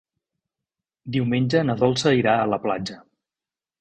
Diumenge na Dolça irà a la platja.